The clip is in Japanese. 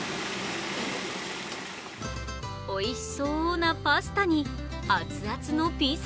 おいしそうなパスタに熱々のピザ。